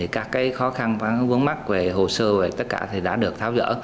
các khó khăn vướng mắt về hồ sơ tất cả đã được tháo gỡ